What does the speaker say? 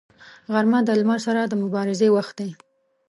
غرمه د لمر سره د مبارزې وخت دی